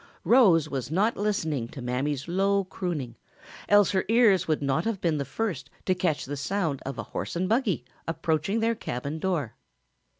Rose was not listening to Mammy's low crooning else her ears would not have been the first to catch the sound of a horse and buggy approaching their cabin door.